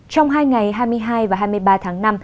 trong hai ngày hai mươi hai và hai mươi ba tháng năm